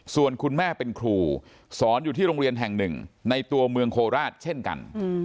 ส่วนคุณแม่เป็นครูสอนอยู่ที่โรงเรียนแห่งหนึ่งในตัวเมืองโคราชเช่นกัน